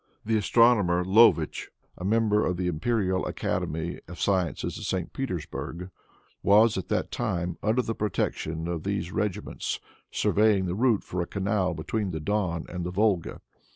The astronomer, Lovitch, a member of the imperial academy of sciences at St. Petersburg, was, at that time, under the protection of these regiments, surveying the route for a canal between the Don and the Volga.